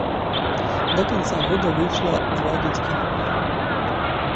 Да канца года выйшла два дыска.